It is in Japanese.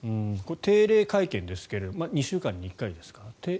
定例会見ですが２週間に１回ですか？